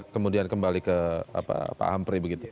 kemudian kembali ke pak hampri